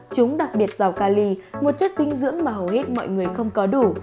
chúng đặc biệt giàu cali một chất dinh dưỡng mà hầu hết mọi người không có đủ